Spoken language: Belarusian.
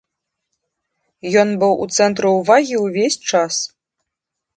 Ён быў у цэнтры ўвагі ўвесь час.